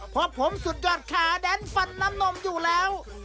เพราะผมสุดยอดขาแดนฟันน้ำนมอยู่แล้ว